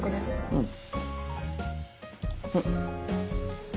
うん。